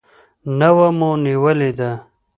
نوه مو نیولې ده.